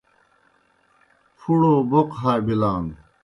پُھڑوْ بَوْقہ ہا بِلان۔